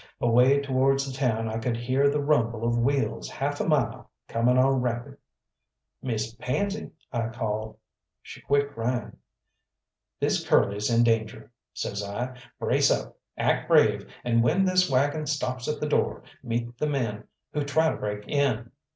Away towards the town I could hear the rumble of wheels half a mile, coming on rapid. "Miss Pansy!" I called. She quit crying. "This Curly's in danger," says I. "Brace up; act brave, and when this waggon stops at the door, meet the men who try to break in.